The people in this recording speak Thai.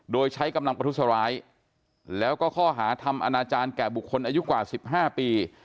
โดยใช้กำลังประทุษร้ายแล้วก็ข้อหาทำอนาจารย์แก่บุคคลอายุกว่า๑๕ปี